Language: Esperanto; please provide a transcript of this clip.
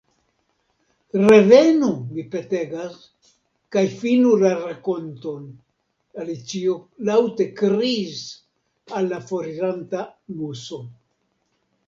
“Revenu, mi petegas, kaj finu la rakonton,” Alicio laŭte kriis al la foriranta Muso.